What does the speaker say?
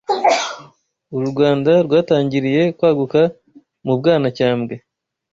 Uru Rwanda rwatangiriye kwaguka mu Bwanacyambwe